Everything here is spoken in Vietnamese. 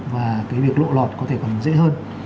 và cái việc lộ lọt có thể còn dễ hơn